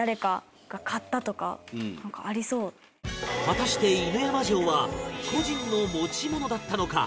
果たして、犬山城は個人の持ち物だったのか？